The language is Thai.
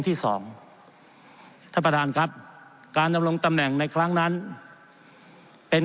ที่สองท่านประธานครับการดำรงตำแหน่งในครั้งนั้นเป็น